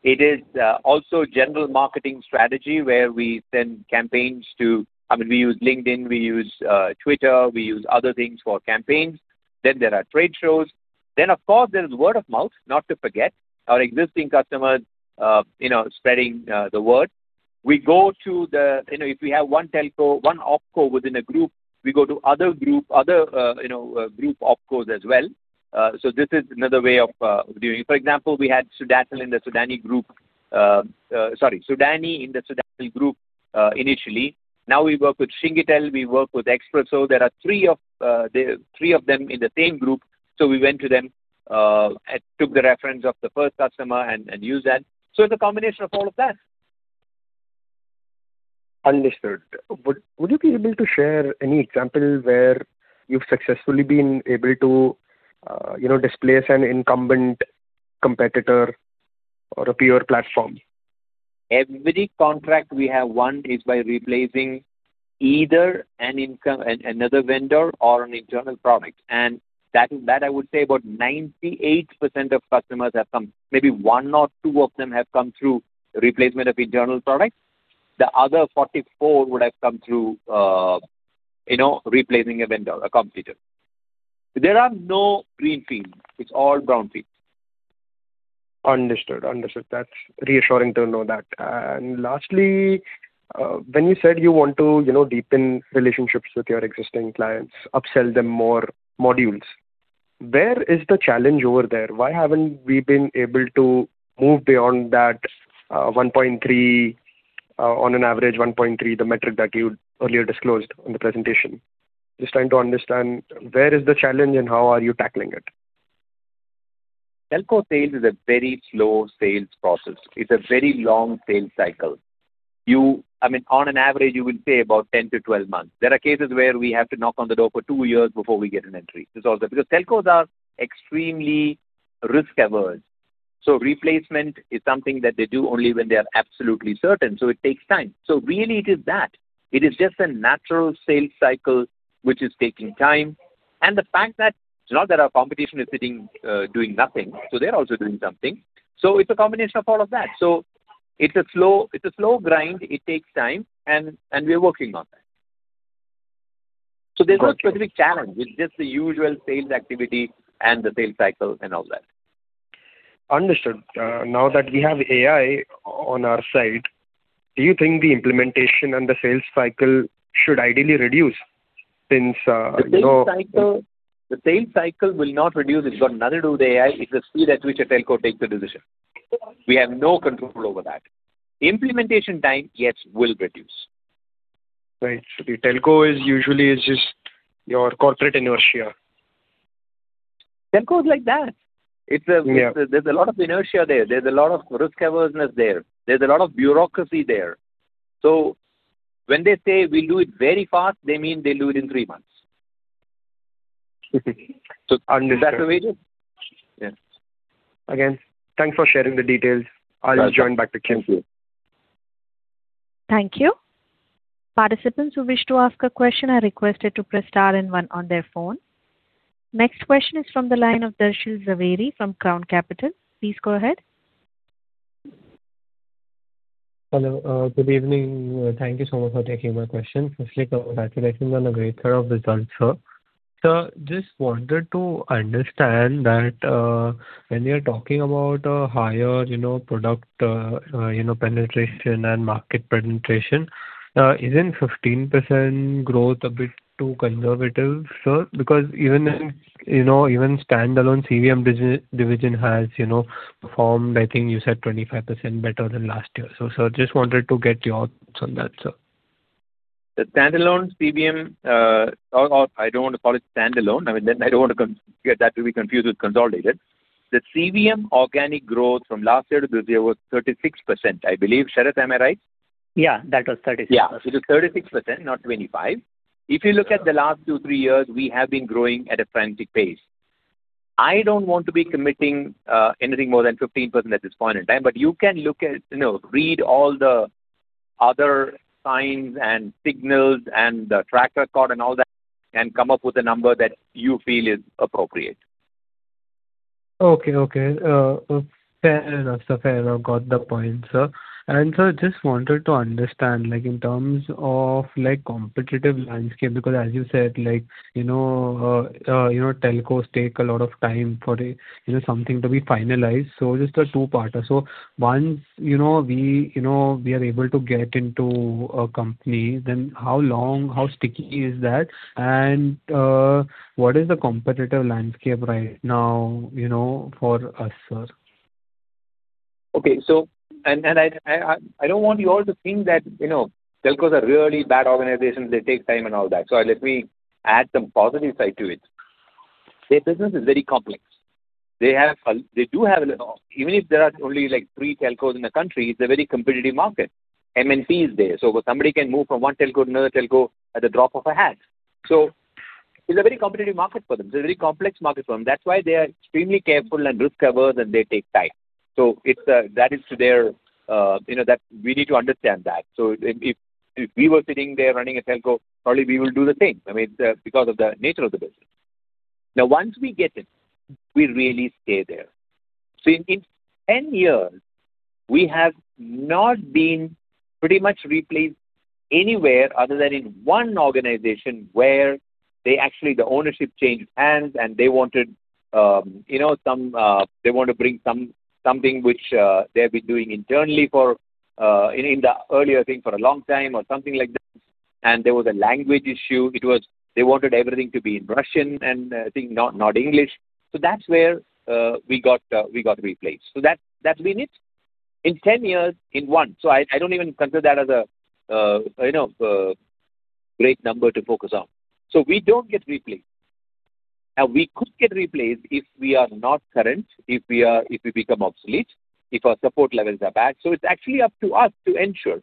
It is also general marketing strategy where we send campaigns to I mean, we use LinkedIn, we use Twitter, we use other things for campaigns. There are trade shows. Of course, there is word of mouth not to forget. Our existing customers, you know, spreading the word. You know, if we have one telco, one opco within a group, we go to other group opcos as well. This is another way of doing. For example, Sudani in the Sudatel group, initially. Now we work with Chinguitel, we work with Expresso. There are three of them in the same group. We went to them, and took the reference of the first customer and used that. It's a combination of all of that. Understood. Would you be able to share any example where you've successfully been able to, you know, displace an incumbent competitor or a pure platform? Every contract we have won is by replacing either another vendor or an internal product. I would say about 98% of customers have come. Maybe one or two of them have come through replacement of internal product. The other 44 would have come through, you know, replacing a vendor, a competitor. There are no green fields, it's all brown fields. Understood. Understood. That's reassuring to know that. Lastly, when you said you want to, you know, deepen relationships with your existing clients, upsell them more modules, where is the challenge over there? Why haven't we been able to move beyond that, 1.3, on an average 1.3, the metric that you earlier disclosed on the presentation? Just trying to understand where is the challenge and how are you tackling it? Telco sales is a very slow sales process. It's a very long sales cycle. I mean, on an average, you would say about 10-12 months. There are cases where we have to knock on the door for two years before we get an entry. This is also Because telcos are extremely risk-averse, so replacement is something that they do only when they are absolutely certain, so it takes time. Really it is that. It is just a natural sales cycle which is taking time. The fact that it's not that our competition is sitting, doing nothing. They're also doing something. It's a combination of all of that. It's a slow grind. It takes time, and we are working on that. Got you. There's no specific challenge. It's just the usual sales activity and the sales cycle and all that. Understood. Now that we have AI on our side do you think the implementation and the sales cycle should ideally reduce since, you know? The sales cycle will not reduce. It's got nothing to do with AI. It's the speed at which a telco takes the decision. We have no control over that. Implementation time will reduce. Right. The telco is usually it's just your corporate inertia. Telco is like that. Yeah. There's a lot of inertia there. There's a lot of risk-averseness there. There's a lot of bureaucracy there. When they say we'll do it very fast, they mean they'll do it in three months. Understood. That's the way it is. Yeah. Again, thanks for sharing the details. Pleasure. I'll just join back to queue. Thank you. Thank you. Next question is from the line of [Darshil Jhaveri] from Crown Capital. Please go ahead. Hello. Good evening. Thank you so much for taking my question. Firstly, congratulations on a great set of results, sir. Sir, just wanted to understand that, when you're talking about a higher, you know, product, you know, penetration and market penetration, isn't 15% growth a bit too conservative, sir? Because even in, you know, even standalone CVM division has, you know, performed, I think you said 25% better than last year. Sir, just wanted to get your thoughts on that, sir. The standalone CVM, or I don't want to call it standalone. I mean, I don't wanna get that to be confused with consolidated. The CVM organic growth from last year to this year was 36%, I believe. Sharat, am I right? Yeah, that was 36%. Yeah, it was 36%, not 25. If you look at the last two, three years, we have been growing at a frantic pace. I don't want to be committing anything more than 15% at this point in time. You can look at, you know, read all the other signs and signals and the track record and all that, come up with a number that you feel is appropriate. Okay. Okay. fair enough, sir. Fair enough. Got the point, sir. Sir, just wanted to understand, like in terms of like competitive landscape, because as you said, like, you know, telcos take a lot of time for, you know, something to be finalized. So just a two-partner. So once, you know, we, you know, we are able to get into a company, then how long, how sticky is that? What is the competitive landscape right now, you know, for us, sir? Okay. I don't want you all to think that, you know, telcos are really bad organizations, they take time and all that. Let me add some positive side to it. Their business is very complex. They do have Even if there are only like three telcos in the country. It's a very competitive market MNP is there, somebody can move from one telco to another telco at the drop of a hat. It's a very competitive market for them. It's a very complex market for them. That's why they are extremely careful and risk-averse, and they take time. It's that is their, you know, that we need to understand that. If we were sitting there running a telco, probably we will do the same, I mean, because of the nature of the business. Once we get in, we really stay there. In 10 years, we have not been pretty much replaced anywhere other than in one organization. Where they actually, the ownership changed hands and they wanted, you know, something which they've been doing internally for in the earlier, I think for a long time or something like that. There was a language issue. It was they wanted everything to be in Russian and I think not English. That's where we got replaced. That's been it. In 10 years, in one. I don't even consider that as a, you know, a great number to focus on. We don't get replaced. We could get replaced if we are not current, if we become obsolete, if our support levels are bad. It's actually up to us to ensure.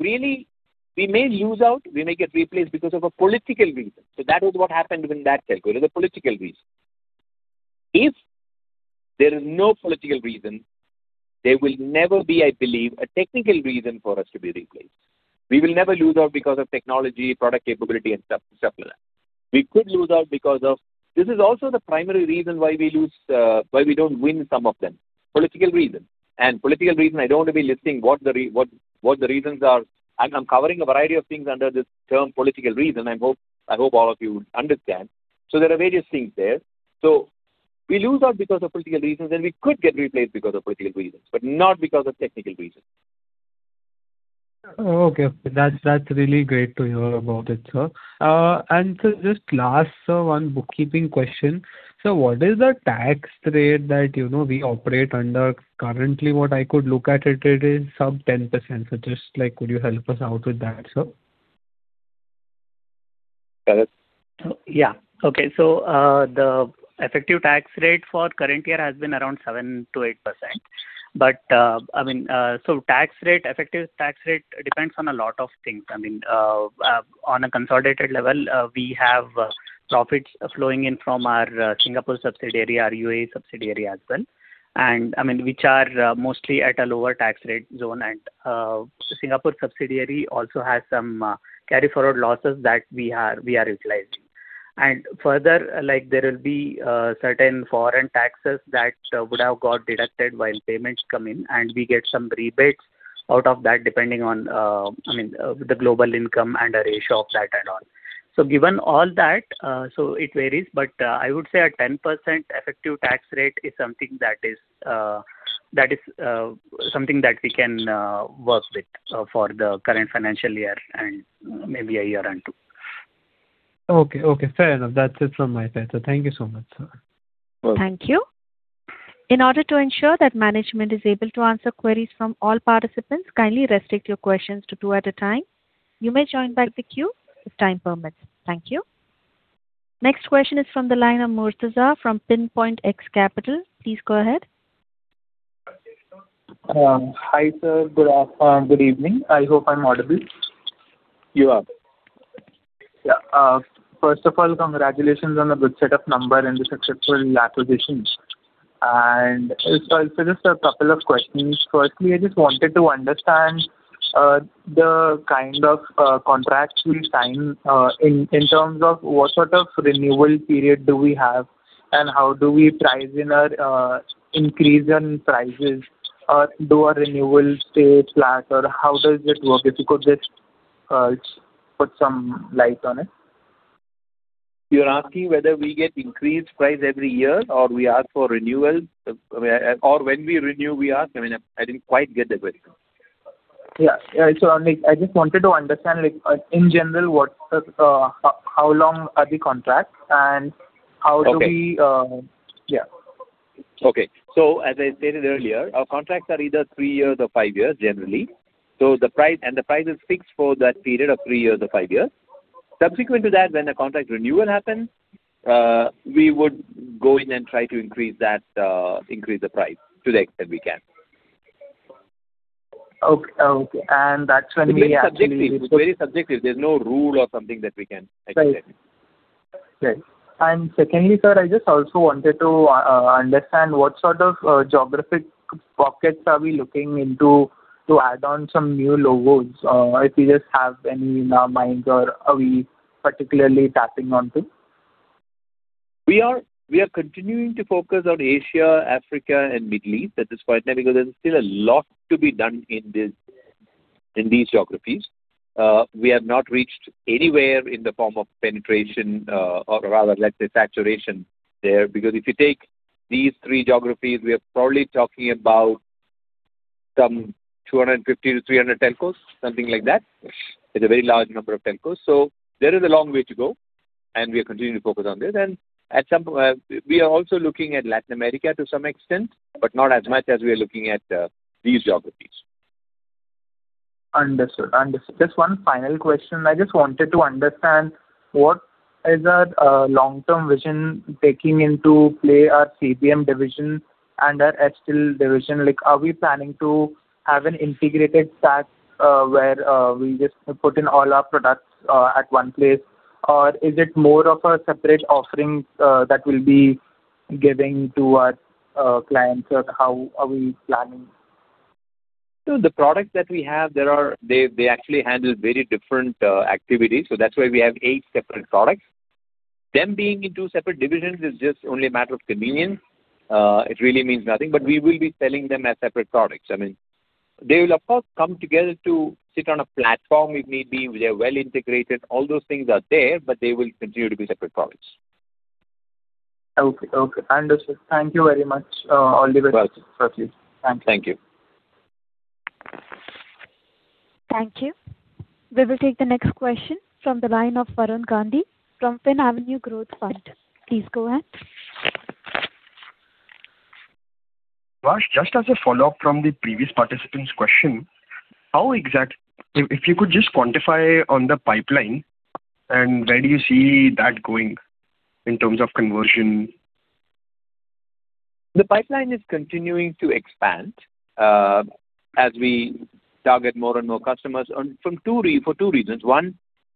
Really, we may lose out, we may get replaced because of a political reason. That is what happened in that telco. It is a political reason. If there is no political reason, there will never be I believe, a technical reason for us to be replaced. We will never lose out because of technology, product capability and stuff like that. This is also the primary reason why we lose, why we don't win some of them. Political reason. Political reason, I don't want to be listing what the reasons are. I'm covering a variety of things under this term political reason. I hope all of you would understand. There are various things there. We lose out because of political reasons, and we could get replaced because of political reasons, but not because of technical reasons. Okay. That's really great to hear about it, sir. Just last, sir, one bookkeeping question. What is the tax rate that, you know, we operate under? Currently, what I could look at it is sub 10%. Just like, could you help us out with that, sir? Sharat? Yeah. Okay. The effective tax rate for current year has been around 7%-8%. I mean, effective tax rate depends on a lot of things. I mean, on a consolidated level, we have profits flowing in from our Singapore subsidiary, our UAE subsidiary as well, and I mean, which are mostly at a lower tax rate zone. Singapore subsidiary also has some carry-forward losses that we are utilizing. Further, like there will be certain foreign taxes that would have got deducted while payments come in, and we get some rebates out of that, depending on, I mean, the global income and a ratio of that and all. Given all that, so it varies, but I would say a 10% effective tax rate is something that is, something that we can work with for the current financial year and maybe one or two. Okay. Fair enough. That's it from my side, sir. Thank you so much, sir. Thank you. In order to ensure that management is able to answer queries from all participants, kindly restrict your questions to two at a time. You may join back the queue if time permits. Thank you. Next question is from the line of Murtaza from Pinpoint X Capital. Please go ahead. Hi, sir. Good evening. I hope I'm audible. You are. Yeah. First of all, congratulations on the good set of number and the successful acquisitions. Just a couple of questions. Firstly, I just wanted to understand, the kind of, contract we sign, in terms of what sort of renewal period do we have and how do we price in a, increase in prices? Do our renewals stay flat or how does it work? If you could just, put some light on it. You're asking whether we get increased price every year or we ask for renewal? Or when we renew, we ask? I mean, I didn't quite get the question. Yeah. Yeah. like, I just wanted to understand. Like, in general, what's the how long are the contracts and how do we? Okay. Yeah. Okay. As I stated earlier, our contracts are either three years or five years generally. The price is fixed for that period of three years or five years. Subsequent to that, when a contract renewal happens, we would go in and try to increase that, increase the price to the extent we can. Okay. That's when we actually. It's very subjective. There's no rule or something that we can actually say. Right. Secondly, sir, I just also wanted to understand what sort of geographic pockets are we looking into to add on some new logos. If you just have any in our minds or are we particularly tapping onto? We are continuing to focus on Asia, Africa, and Middle East at this point in time because there's still a lot to be done in this, in these geography. We have not reached anywhere in the form of penetration or rather. Let's say, saturation there. If you take these three geographies, we are probably talking about some 250-300 telcos, something like that. It's a very large number of telcos. There is a long way to go, and we are continuing to focus on this. At some, we are also looking at Latin America to some extent, but not as much as we are looking at these geographies. Understood. Understood. Just one final question. I just wanted to understand what is our long-term vision taking into play our CVM division and our FSTL division. Like, are we planning to have an integrated stack, where we just put in all our products at one place? Or is it more of a separate offerings that we'll be giving to our clients? Or how are we planning? The products that we have, they actually handle very different activities, so that's why we have eight separate products. Them being in two separate divisions is just only a matter of convenience. It really means nothing. We will be selling them as separate products. I mean, they will of course come together to sit on a platform. It may be they're well integrated. All those things are there, but they will continue to be separate products. Okay, okay. Understood. Thank you very much. All the best. Welcome. For the qustion, Thank you. Thank you. We will take the next question from the line of Varun Gandhi from Finavenue Growth Fund. Please go ahead. Varun, just as a follow-up from the previous participant's question, how exact If you could just quantify on the pipeline and where do you see that going in terms of conversion? The pipeline is continuing to expand as we target more and more customers for two reasons. One,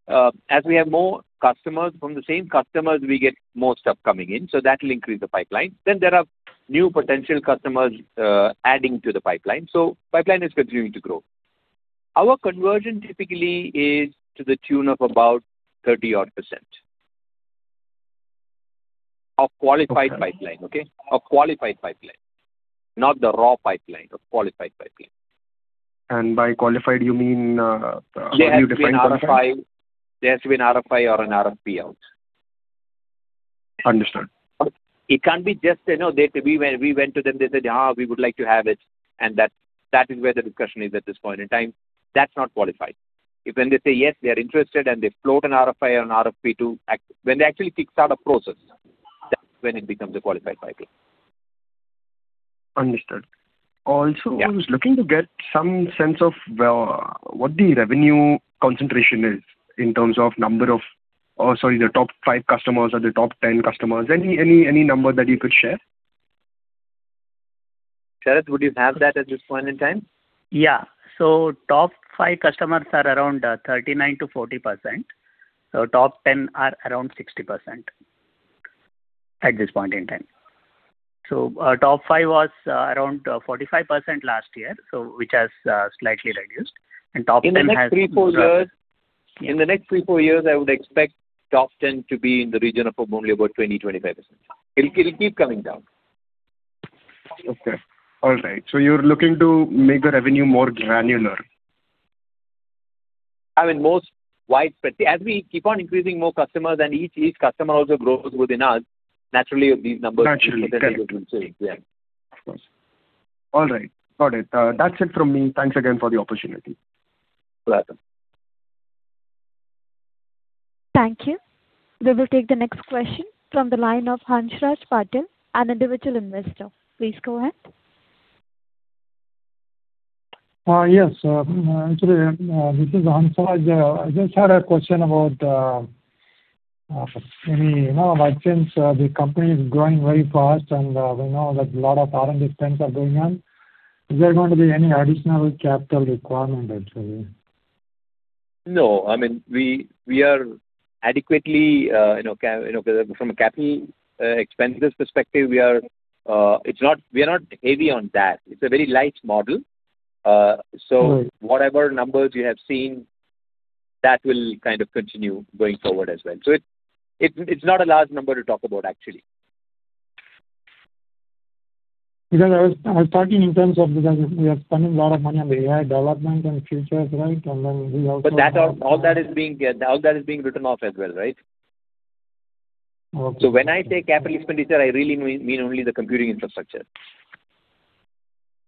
as we have more customers, from the same customers we get more stuff coming in, so that will increase the pipeline. There are new potential customers adding to the pipeline. Pipeline is continuing to grow. Our conversion typically is to the tune of about 30% odd. Of qualified pipeline, okay. Okay. Of qualified pipeline, not the raw pipeline of qualified pipeline. By qualified you mean, how you define qualified? There has to be an RFI. There has to be an RFI or an RFP out. Understood. It can't be just, you know, we went to them, they said, "We would like to have it," and that is where the discussion is at this point in time. That's not qualified. If when they say, "Yes, we are interested," and they float an RFI or an RFP when they actually kickstart a process, that's when it becomes a qualified pipeline. Understood. Yeah. I was looking to get some sense of what the revenue concentration is in terms of number of sorry, the top five customers or the top 10 customers. Any, any number that you could share? Sharat, would you have that at this point in time? Yeah. Top five customers are around 39%-40%. Top 10 are around 60% at this point in time. Our top five was around 45% last year, so which has slightly reduced. Top 10 has- In the next three, four years, I would expect top 10 to be in the region of only about 20%-25%. It'll keep coming down. Okay. All right. You're looking to make the revenue more granular. I mean, more widespread. See, as we keep on increasing more customers and each customer also grows within us. Naturally these numbers. Naturally. will keep on increasing. Yeah. Of course. All right. Got it. That's it from me. Thanks again for the opportunity. Welcome. Thank you. We will take the next question from the line of Hansraj Patel, an individual investor. Please go ahead. Yes, Actually, this is Hansraj. I just had a question about, for me, you know, like since the company is growing very fast and we know that a lot of R&D spends are going on. Is there going to be any additional capital requirement actually? No. I mean, we are adequately, you know, from a capital expenditures perspective, we are not heavy on that. It's a very light model. whatever numbers you have seen, that will kind of continue going forward as well. It's not a large number to talk about actually. I was talking in terms of because we are spending a lot of money on the AI development and future, right? We also. That all that is being written off as well, right? Okay. When I say capital expenditure, I really mean only the computing infrastructure.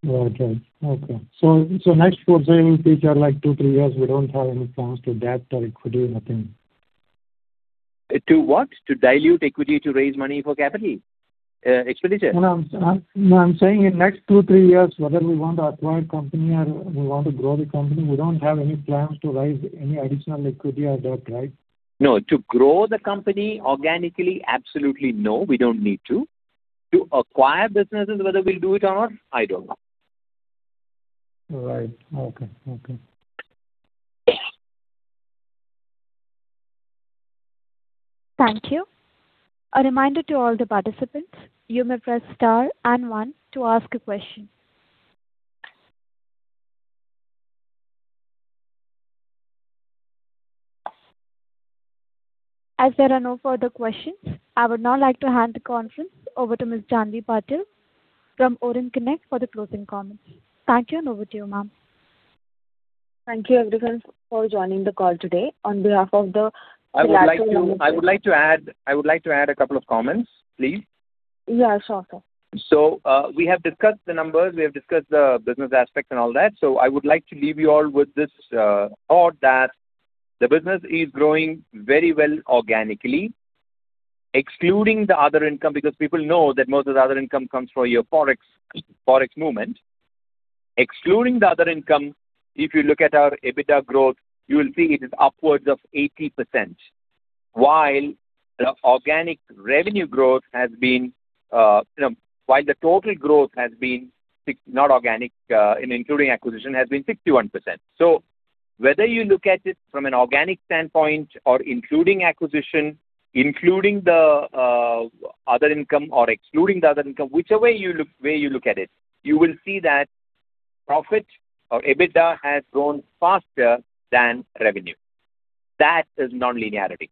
Okay. Next for, say, future like two-three years, we don't have any plans to debt or equity, nothing. To what? To dilute equity to raise money for capital expenditure? No, I'm saying in next two-three years, whether we want to acquire company or we want to grow the company, we don't have any plans to raise any additional equity or debt, right? No. To grow the company organically, absolutely no, we don't need to. To acquire businesses, whether we'll do it or not, I don't know. Right. Okay. Okay. Thank you. A reminder to all the participants, you may press star and one to ask a question. As there are no further questions, I would now like to hand the conference over to Ms. Janhavi Patil from Orim Connect for the closing comments. Thank you, and over to you, ma'am. Thank you, everyone, for joining the call today. On behalf of the Pelatro Limited I would like to add a couple of comments, please. Yeah, sure, sir. We have discussed the numbers, we have discussed the business aspects and all that. I would like to leave you all with this thought that the business is growing very well organically, excluding the other income, because people know that most of the other income comes from your Forex movement. Excluding the other income, if you look at our EBITDA growth, you will see it is upwards of 80%, while the organic revenue growth has been, you know, while the total growth including acquisition has been 61%. Whether you look at it from an organic standpoint or including acquisition, including the other income or excluding the other income, whichever way. You look at it, you will see that profit or EBITDA has grown faster than revenue. That is nonlinearity.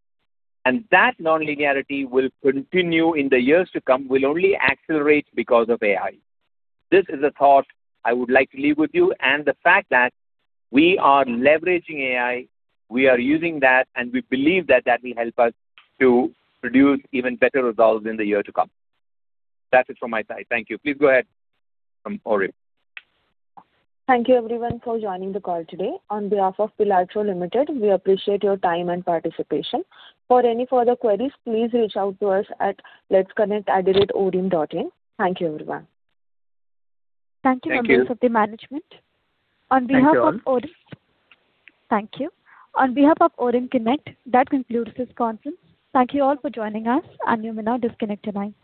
That nonlinearity will continue in the years to come, will only accelerate because of AI. This is a thought I would like to leave with you. The fact that we are leveraging AI. We are using that, and we believe that that will help us to produce even better results in the year to come. That's it from my side. Thank you. Please go ahead from Orim. Thank you everyone for joining the call today. On behalf of Pelatro Limited, we appreciate your time and participation. For any further queries, please reach out to us at letsconnect@orein.in. Thank you everyone. Thank you. Thank you. members of the management. On behalf of Orim. Thank you all. Thank you. On behalf of Orim Connect that concludes this conference. Thank you all for joining us, and you may now disconnect your lines.